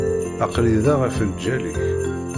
Aql-i da ɣef lǧal-ik.